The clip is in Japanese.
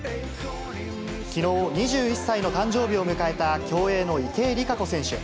きのう２１歳の誕生日を迎えた競泳の池江璃花子選手。